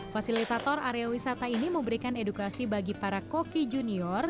fasilitator area wisata ini memberikan edukasi bagi para koki junior